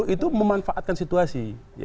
itu memanfaatkan situasi